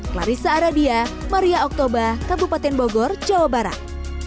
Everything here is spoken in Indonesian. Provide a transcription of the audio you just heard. clarissa aradia maria oktober kabupaten bogor jawa barat